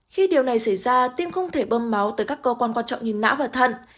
khi điều này xảy ra tim không thể bơm máu tới các cơ quan quan trọng như nã và thận